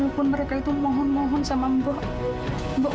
walaupun mereka itu mohon mohon sama ibu